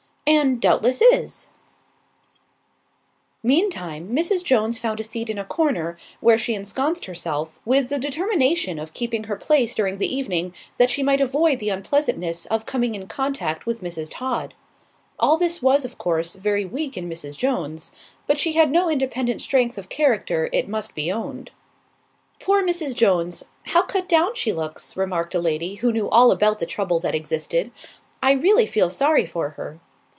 "And doubtless is." Meantime, Mrs. Jones found a seat in a corner, where she ensconced herself, with the determination of keeping her place during the evening, that she might avoid the unpleasantness of coming in contact with Mrs. Todd. All this was, of course, very weak in Mrs. Jones. But she had no independent strength of character, it must be owned. "Poor Mrs. Jones! How cut down she looks," remarked a lady who knew all about the trouble that existed. "I really feel sorry for her."